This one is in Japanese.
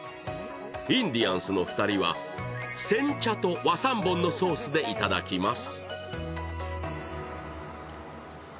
インディアンスの２人は煎茶と和三盆のソースでいただきます。